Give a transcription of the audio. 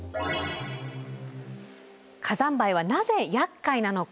火山灰はなぜやっかいなのか？